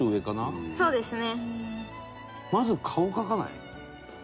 俺もそうですね